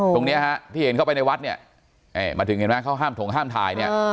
ตรงนี้ฮะที่เห็นเข้าไปในวัดเนี่ยมาถึงเห็นไหมเขาห้ามถงห้ามถ่ายเนี่ย